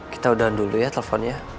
kita udahan dulu ya teleponnya